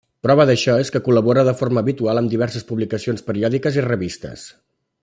Prova d'això és que col·labora de forma habitual amb diverses publicacions periòdiques i revistes.